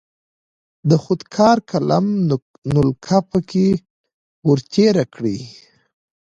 د خودکار قلم نلکه پکې ور تیره کړئ.